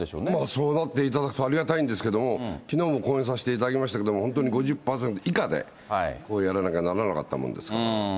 そうなっていただくとありがたいんですけども、きのうも公演させていただきましたけども、本当に５０％以下で、やらなきゃならなかったもんですから。